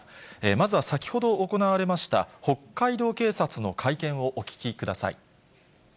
まずは先ほど行われました、北海道警察の会見をお聞きください。